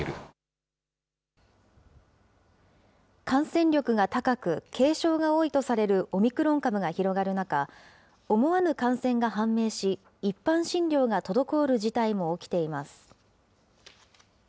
感染力が高く、軽症が多いとされるオミクロン株が広がる中、思わぬ感染が判明し、一般診療が滞る事態も起きています。